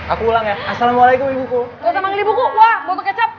aku ulang ya assalamualaikum ibuku ibuku gua botol kecap